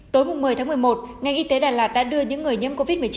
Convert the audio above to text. tối một mươi tháng một mươi một ngành y tế đà lạt đã đưa những người nhiễm covid một mươi chín